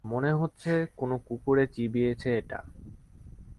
মনে হচ্ছে কোনো কুকুরে চিবিয়েছে এটা।